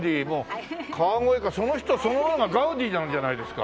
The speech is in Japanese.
川越かその人そのものがガウディなんじゃないですか？